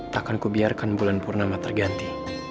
takkan kubiarkan bulan purnama terganti